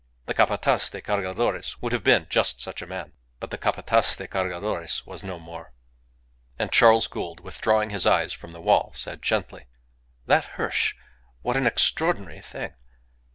The Capataz de Cargadores would have been just such a man. But the Capataz of the Cargadores was no more. And Charles Gould, withdrawing his eyes from the wall, said gently, "That Hirsch! What an extraordinary thing!